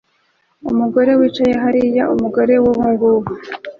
Umugore wicaye hariya umugore we ubungubu